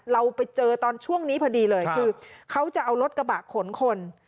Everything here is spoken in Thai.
เราไปเจอตอนช่วงนี้พอดีเลยคือเขาจะเอารถกระบะขนคน